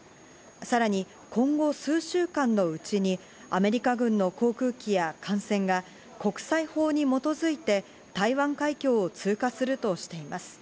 さらに今後、数週間のうちにアメリカ軍の航空機や艦船が国際法に基づいて台湾海峡を通過するとしています。